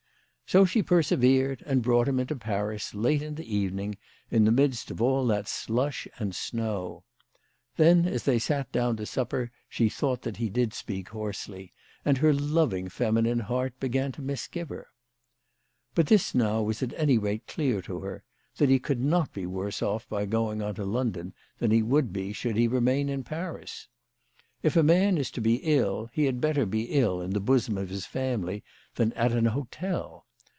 So she persevered, and brought him into Paris, late in the evening, in the midst of all that slush and snow. Then, as they sat down to supper, she thought that he did speak hoarsely, and her loving feminine heart began to misgive her. But this now was at any rate clear to her, that he could not be worse off by going on to London than he would be should he remain in Paris. If a man is to be ill he had better be ill in the bosom of his family than at an hotel.